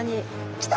来た！